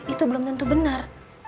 itu belum tentu benar